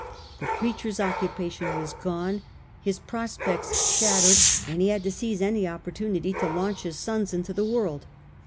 The preacher's occupation was gone, his pro spects shattered, and he had to seize any opportunity to launch his sons into the world.